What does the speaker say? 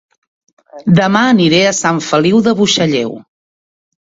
Dema aniré a Sant Feliu de Buixalleu